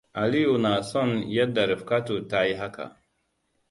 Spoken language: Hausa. Aliyu na son yadda Rifkatu ta yi haka.